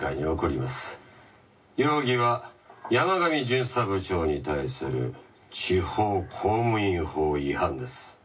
「容疑は山上巡査部長に対する地方公務員法違反です」